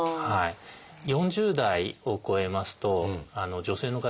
４０代を超えますと女性の方